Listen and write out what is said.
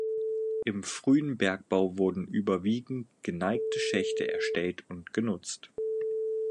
Im frühen Bergbau wurden überwiegend geneigte Schächte erstellt und genutzt.